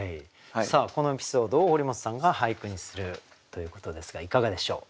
このエピソードを堀本さんが俳句にするということですがいかがでしょう？